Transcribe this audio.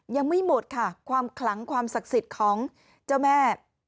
ยังไม่หมดค่ะความขลังความศักดิ์สิทธิ์ของเจ้าแม่